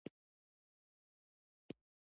ځکه زموږ اخلاقي شهود په دې ګواهي ورکوي.